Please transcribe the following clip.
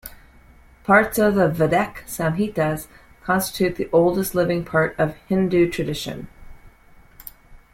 Parts of "Vedic Samhitas" constitute the oldest living part of Hindu tradition.